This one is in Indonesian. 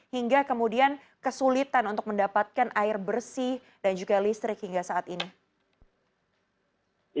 hingga kemudian kesulitan untuk mendapatkan air bersih dan juga listrik hingga saat ini